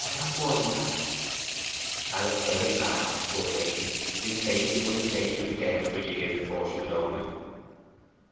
'Not more than that!' ''A looked very bad, poor lady. In faith, ye might say she was dead for years afore 'a would own it.